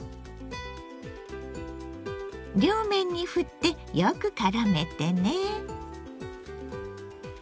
両面にふってよくからめてね。